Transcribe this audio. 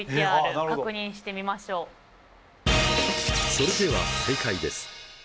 それでは正解です。